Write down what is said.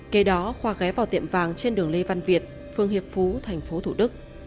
kể đó khóa ghé vào tiệm vàng trên đường lê văn việt phường hiệp phú tp thủ đức